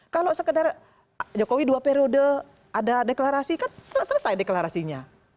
kalau sekedar jokowi dua periode ada deklarasi kan selesai deklarasinya